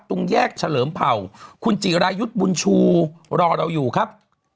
ตรงแยกเฉลิมเผ่าคุณจิรายุทธ์บุญชูรอเราอยู่ครับ